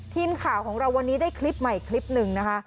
ทีมข่าวของเราวันนี้ได้คลิปใหม่คลิปหนึ่งนะคะ